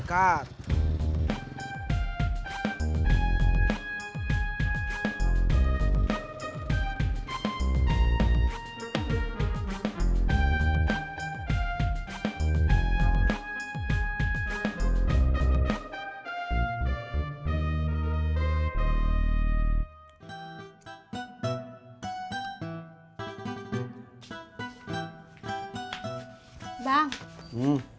tadi sebenarnya terfinan pak